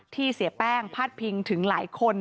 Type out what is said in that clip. เสียแป้งพาดพิงถึงหลายคน